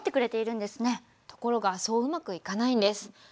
ところがそううまくいかないんです。